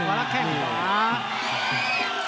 มัดกว่าแล้วแค่หัก